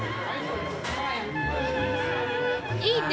いいね。